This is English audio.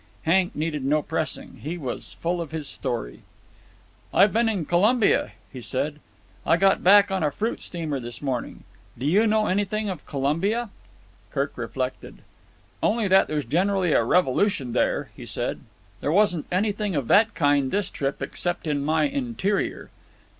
Hank needed no pressing. He was full of his story. "I've been in Colombia," he said. "I got back on a fruit steamer this morning. Do you know anything of Colombia?" Kirk reflected. "Only that there's generally a revolution there," he said. "There wasn't anything of that kind this trip, except in my interior."